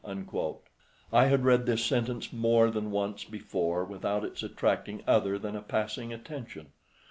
"_ I had read this sentence more than once before without its attracting other than a passing attention.